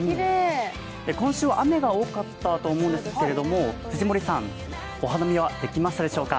今週は雨が多かったと思うんですけれども、藤森さん、お花見はできましたでしょうか。